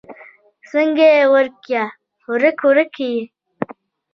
څنګه يې وړکيه؛ ورک ورک يې؟